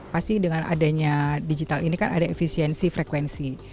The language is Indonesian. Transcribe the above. pasti dengan adanya digital ini kan ada efisiensi frekuensi